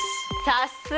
さっすが！